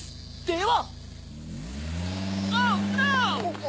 では！